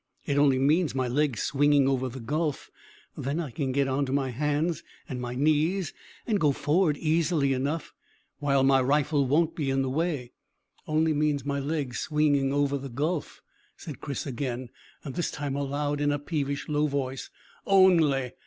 It only means my legs swinging over the gulf. Then I can get on to my hands and knees and go forward easily enough, while my rifle won't be in the way. "Only means my legs swinging over the gulf," said Chris again, this time aloud, in a peevish, low voice. "Only!